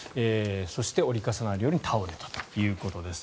そして、折り重なるように倒れたということです。